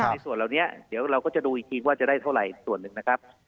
ในส่วนเหล่านี้เดี๋ยวเราก็จะดูอีกทีว่าจะได้เท่าไหร่ส่วนหนึ่งนะครับ